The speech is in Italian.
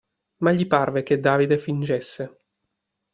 Ma gli parve che Davide fingesse.